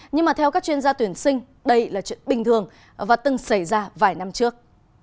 nhưng mà theo các chuyên gia tuyển sinh đây là chuyện bình thường và từng xảy ra vài năm trước